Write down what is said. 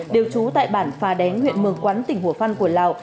đều trú tại bản phà đánh huyện mường quắn tỉnh hùa phăn của lào